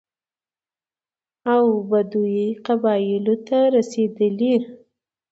او بدوي قبايلو ته رسېدلى،